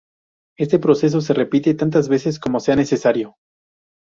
Este proceso se repite tantas veces como sea necesario.